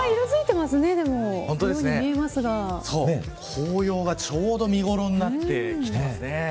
紅葉がちょうど見頃になってきていますね。